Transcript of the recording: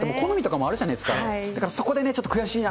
この絵柄とか、好みとかもあるじゃないですか。